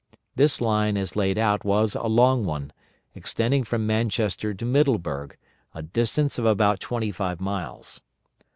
This line as laid out was a long one, extending from Manchester to Middleburg, a distance of about twenty five miles.